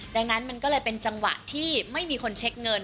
ดังนั้นมันก็เลยเป็นจังหวะที่ไม่มีคนเช็คเงิน